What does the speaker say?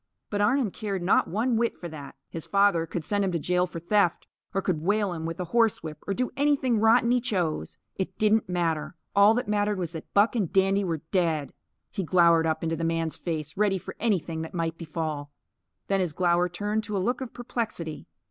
But Arnon cared not one whit for that. His father could send him to jail for theft or could whale him with a horsewhip or do anything rotten he chose. It didn't matter. All that mattered was that Buck and Dandy were dead. He glowered up into the man's face, ready for anything that might befall. Then his glower turned to a look of perplexity.